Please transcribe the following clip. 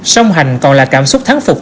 sông hành còn là cảm xúc thắng phục